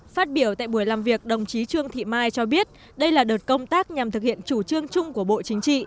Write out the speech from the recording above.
phát biểu tại buổi làm việc đồng chí trương thị mai cho biết đây là đợt công tác nhằm thực hiện chủ trương chung của bộ chính trị